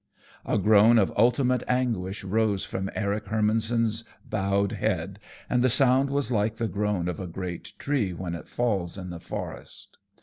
A groan of ultimate anguish rose from Eric Hermannson's bowed head, and the sound was like the groan of a great tree when it falls in the forest.